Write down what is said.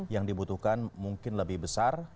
yang dibutuhkan mungkin lebih besar